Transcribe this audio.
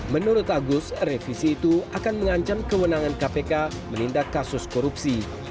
menurut agus revisi itu akan mengancam kewenangan kpk menindak kasus korupsi